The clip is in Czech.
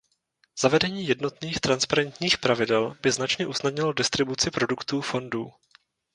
Zavedení jednotných, transparentních pravidel by značně usnadnilo distribuci produktů fondů.